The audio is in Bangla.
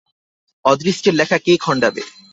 অদৃষ্টের লেখা কে খণ্ডাবে!